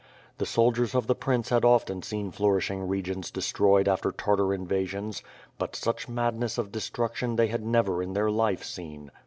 The soldiers of the prince had often seen flourishing regions de stroyed after Tartar invasions; but such madness of destruc tion they had never in their life seen.